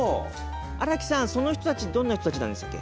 荒木さんその人たちどんな人たちなんでしたっけ？